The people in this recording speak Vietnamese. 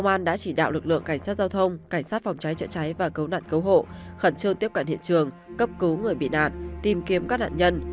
bộ công an đã chỉ đạo lực lượng cảnh sát giao thông cảnh sát phòng cháy trợ cháy và cấu nạn cấu hộ khẩn trương tiếp cận hiện trường cấp cứu người bị nạn tìm kiếm các nạn nhân